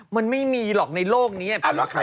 มันไม่มีหรอกในโลกนี้